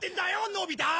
のび太！